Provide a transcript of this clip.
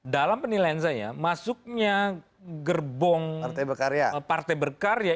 dalam penilaian saya masuknya gerbong partai berkarya